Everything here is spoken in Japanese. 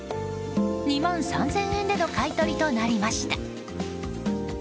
２万３０００円での買い取りとなりました。